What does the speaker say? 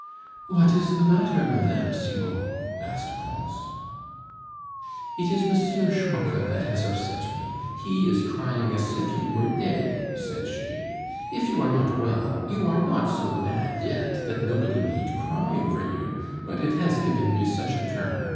"What is the matter, Mme. Cibot?" asked Pons. "It is M. Schmucke that has upset me; he is crying as if you were dead," said she. "If you are not well, you are not so bad yet that nobody need cry over you; but it has given me such a turn!